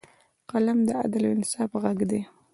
قلم د عدل او انصاف غږ دی